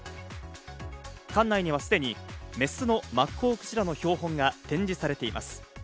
館内にはすでにメスのマッコウクジラの標本が展示されています。